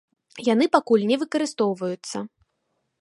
Яны пакуль не выкарыстоўваюцца.